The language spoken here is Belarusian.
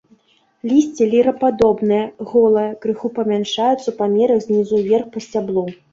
Лісце лірападобнае, голае, крыху памяншаецца ў памерах знізу ўверх па сцяблу.